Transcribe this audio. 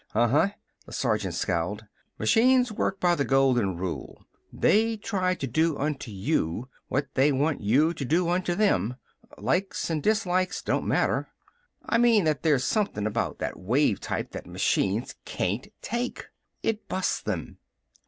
"Uh uh!" The sergeant scowled. "Machines work by the golden rule. They try to do unto you what they want you to do unto them. Likes an' dislikes don't matter. I mean that there's something about that wave type that machines can't take! It busts them.